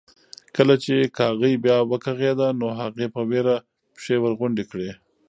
کله چې کاغۍ بیا وکغېده نو هغې په وېره پښې ورغونډې کړې.